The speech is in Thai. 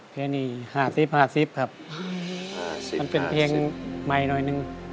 เพลงนี้๕๐๕๐ครับมันเป็นเพลงใหม่หน่อยหนึ่ง